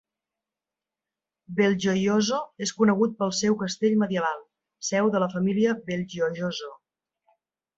Belgioioso és conegut pel seu castell medieval, seu de la família Belgiojoso.